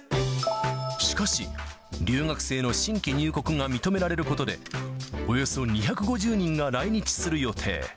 しかし、留学生の新規入国が認められることで、およそ２５０人が来日する予定。